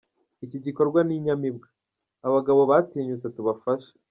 iki gikorwa ni inyamibwa, aba bagabo batinyutse tubafashe.